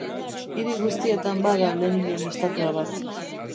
Hiri guztietan bada Leninen estatua bat.